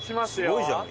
すごいじゃん。